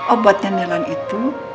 obatnya nelan itu